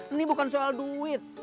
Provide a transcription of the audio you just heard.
ini bukan soal duit